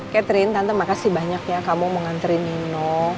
catherine tante makasih banyak ya kamu mengantri nino